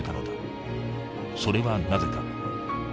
それはなぜか？